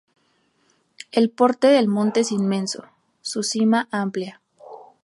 El porte del monte es inmenso, su cima amplia.